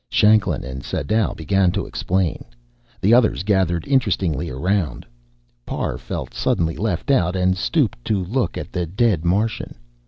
Shanklin and Sadau began to explain. The others gathered interestedly around. Parr felt suddenly left out, and stooped to look at the dead Martian.